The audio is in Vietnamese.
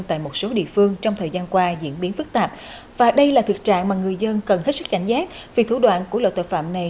tại một số địa phương trong thời gian qua diễn biến phức tạp và đây là thực trạng mà người dân cần hết sức cảnh giác vì thủ đoạn của loại tội phạm này